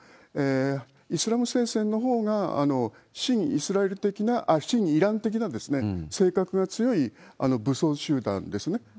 イスラム聖戦のほうが、新イラン的な性格が強い武装集団ですね。